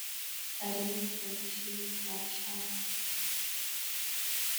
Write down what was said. aribo; Kimy Sheiva na Chanty